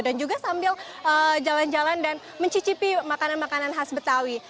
juga sambil jalan jalan dan mencicipi makanan makanan khas betawi